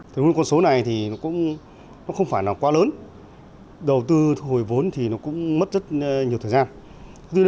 con số này cũng không phải là quá lớn đầu tư thu hồi vốn cũng mất rất nhiều thời gian